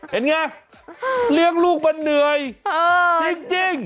เห็นไงเลี้ยงลูกมันเหนื่อยจริง